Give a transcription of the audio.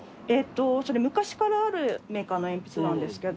それ昔からあるメーカーの鉛筆なんですけど。